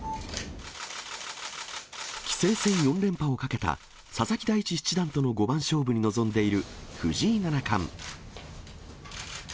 棋聖戦４連覇をかけた佐々木大地七段との五番勝負に臨んでいる藤井七冠。